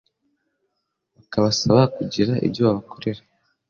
bakabasaba kugira ibyo babakorera